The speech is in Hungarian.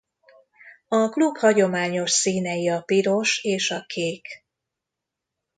A klub hagyományos színei a piros és a kék.